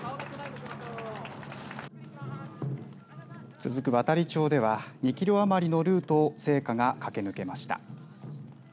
続く、亘理町では２キロ余りのルートを聖火が駆け抜けました。